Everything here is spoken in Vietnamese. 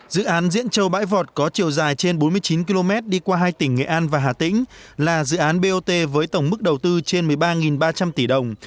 dự án diễn châu bãi vọt có chiều dài trên bốn mươi chín km đi qua hai tỉnh nghệ an và hà tĩnh là dự án bot với tổng mức đầu tư trên một mươi ba ba trăm linh tỷ đồng